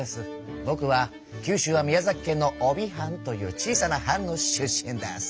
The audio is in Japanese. ぼくは九州は宮崎県の飫肥藩という小さな藩の出身です！